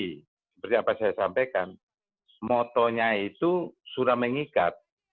seperti apa saya sampaikan motonya itu sudah mengikat